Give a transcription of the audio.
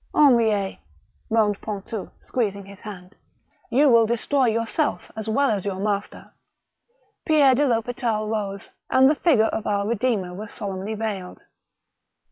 *' Henriet," moaned Pontou, squeezing his hand, you will destroy yourself as well as your master." Pierre de FHospital rose, and the figure of our Redeemer was solemnly veiled.